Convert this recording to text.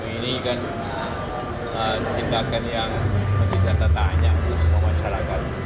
ini kan tindakan yang lebih dana tanya semua masyarakat